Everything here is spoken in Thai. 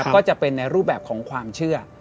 ก็จะเป็นในรูปแบบของความเชื่อ